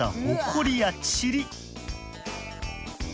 ホコリやチリ